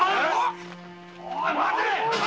おい待て！